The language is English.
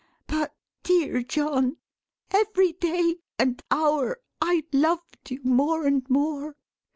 But, dear John, every day and hour, I loved you more and more.